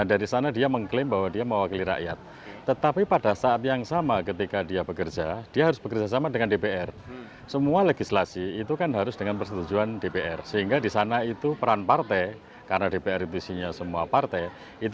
harapan saya tahun depan itu sudah mulai ada trend daftar tersebut